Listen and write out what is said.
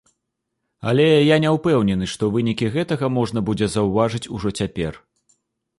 Але я не ўпэўнены, што вынікі гэтага можна будзе заўважыць ужо цяпер.